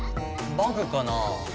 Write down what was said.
バグかな？